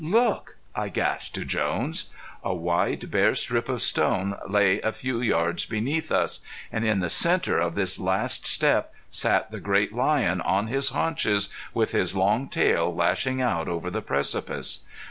Look!" I gasped to Jones. A wide, bare strip of stone lay a few yards beneath us; and in the center of this last step sat the great lion on his haunches with his long tail lashing out over the precipice.